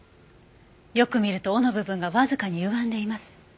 よく見ると尾の部分がわずかにゆがんでいます。